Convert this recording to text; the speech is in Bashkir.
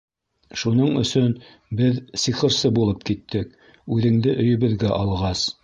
Шуның өсөн беҙ «сихырсы» булып киттек, үҙеңде өйөбөҙгә алғас...